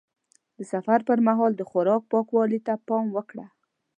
د سفر پر مهال د خوراک پاکوالي ته پام وکړه.